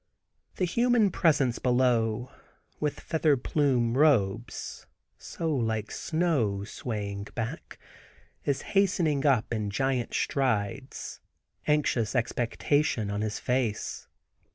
The human presence below, with feather plume robes, so like snow, swaying back, is hastening up in giant strides, anxious expectation on his face.